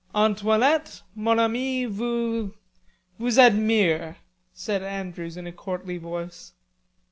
"Antoinette, mon ami vous... vous admire," said Andrews in a courtly voice.